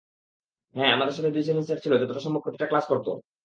হ্যাঁ, আমাদের সাথে দুই সেমিস্টারে ছিল, যতটা সম্ভব প্রতিটা ক্লাস করতো।